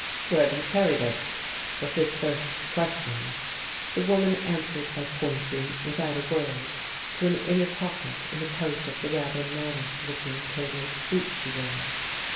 "Where do you carry this?" was his first ques tion. The woman answered by pointing, without a word, to an inner pocket in the coat of the rather mannish looking tailored suit she wore.